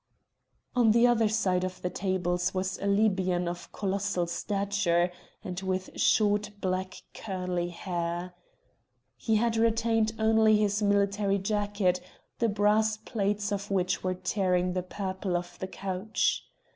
On the other side of the tables was a Libyan of colossal stature, and with short black curly hair. He had retained only his military jacket, the brass plates of which were tearing the purple of the couch.